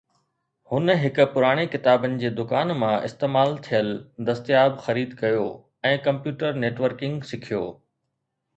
هن هڪ پراڻي ڪتابن جي دڪان مان استعمال ٿيل دستياب خريد ڪيو ۽ ڪمپيوٽر نيٽ ورڪنگ سکيو.